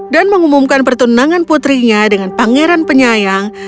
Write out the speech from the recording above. dan mengumumkan pertunangan putrinya dengan pangeran penyayang